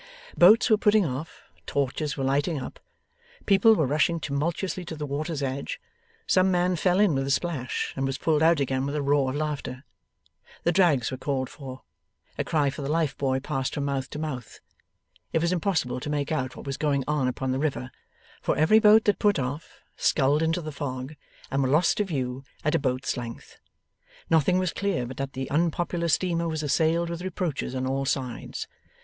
Boats were putting off, torches were lighting up, people were rushing tumultuously to the water's edge. Some man fell in with a splash, and was pulled out again with a roar of laughter. The drags were called for. A cry for the life buoy passed from mouth to mouth. It was impossible to make out what was going on upon the river, for every boat that put off sculled into the fog and was lost to view at a boat's length. Nothing was clear but that the unpopular steamer was assailed with reproaches on all sides.